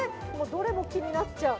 どれも気になっちゃう。